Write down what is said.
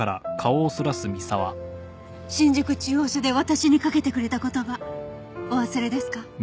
新宿中央署で私にかけてくれた言葉お忘れですか？